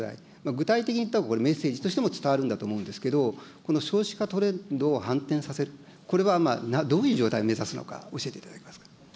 具体的にたぶん、メッセージとしても伝わるんだと思うんですけれども、この少子化トレンドを反転させる、これはどういう状態を指すのか教えていただけますか。